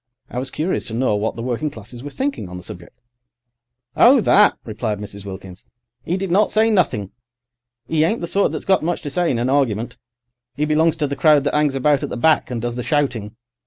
I was curious to know what the working classes were thinking on the subject. "Oh, that," replied Mrs. Wilkins, "'e did not say nothing. 'E ain't the sort that's got much to say in an argument. 'E belongs to the crowd that 'angs about at the back, and does the shouting.